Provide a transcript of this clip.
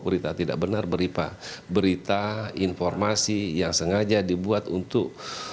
berita tidak benar berita informasi yang sengaja dibuat untuk